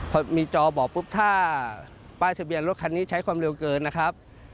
พอมีจอบอกปุ๊บถ้าป้ายทะเบียนรถคันนี้ใช้ความเร็วเกินนะครับ